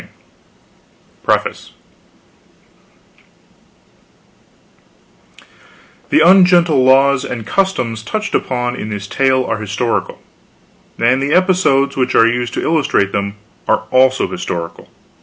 Clemens) PREFACE The ungentle laws and customs touched upon in this tale are historical, and the episodes which are used to illustrate them are also historical.